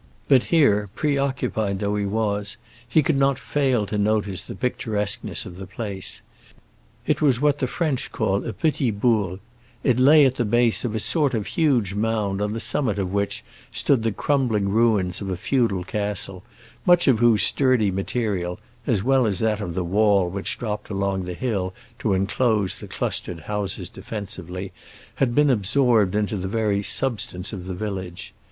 But here, preoccupied though he was, he could not fail to notice the picturesqueness of the place. It was what the French call a petit bourg; it lay at the base of a sort of huge mound on the summit of which stood the crumbling ruins of a feudal castle, much of whose sturdy material, as well as that of the wall which dropped along the hill to enclose the clustered houses defensively, had been absorbed into the very substance of the village.